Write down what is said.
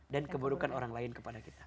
dan keburukan orang lain kepada kita